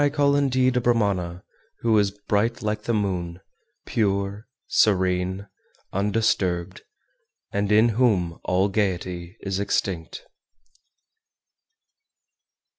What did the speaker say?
413. Him I call indeed a Brahmana who is bright like the moon, pure, serene, undisturbed, and in whom all gaiety is extinct.